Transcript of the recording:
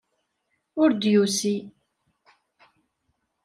Ur d-yusi.